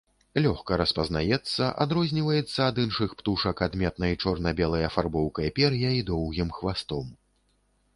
Лёгка распазнаецца, адрозніваецца ад іншых птушак адметнай чорна-белай афарбоўкай пер'я і доўгім хвастом.